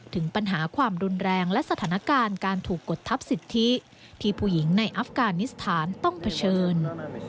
ถึงปัญหาความรุนแรงและสถานการณ์การถูกกดทับสิทธิที่ผู้หญิงในอัฟกานิสถานต้องเผชิญ